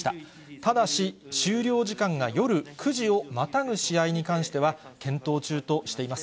ただし、終了時間が夜９時をまたぐ試合に関しては、検討中としています。